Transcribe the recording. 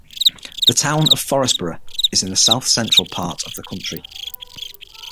The Town of Forestburgh is in the south-central part of the county.